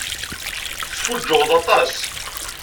Tesfuǧǧuɣeḍ aṭas.